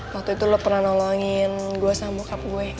waktu itu lo pernah nolongin gue sama bokap gue